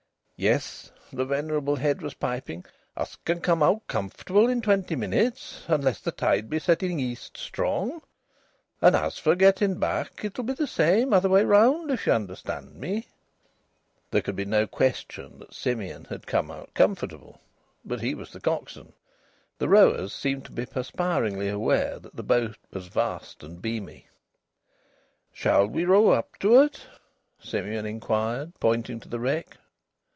"Yes," the venerable head was piping. "Us can come out comfortable in twenty minutes, unless the tide be setting east strong. And, as for getting back, it'll be the same, other way round, if ye understand me." There could be no question that Simeon had come out comfortable. But he was the coxswain. The rowers seemed to be perspiringly aware that the boat was vast and beamy. "Shall we row up to it?" Simeon inquired, pointing to the wreck.